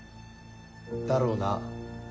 だろうな。